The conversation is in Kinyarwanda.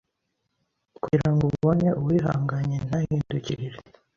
kugira ngo ubone uwihanganye ntahindukirire